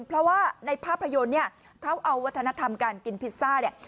เพราะว่าในภาพยนตร์เนี่ยเขาเอาวัฒนธรรมการกินพิซซ่าเนี่ย